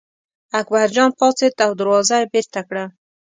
اکبرجان پاڅېد او دروازه یې بېرته کړه.